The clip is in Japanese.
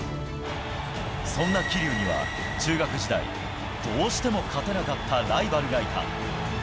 そんな桐生には、中学時代、どうしても勝てなかったライバルがいた。